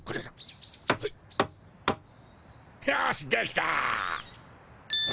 よしできた！